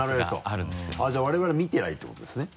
あっじゃあ我々見てりゃいいってことですね？